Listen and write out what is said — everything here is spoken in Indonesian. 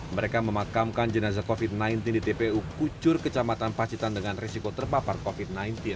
mereka memakamkan jenazah covid sembilan belas di tpu kucur kecamatan pacitan dengan risiko terpapar covid sembilan belas